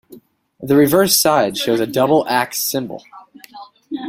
The reverse side shows a double-axe symbol.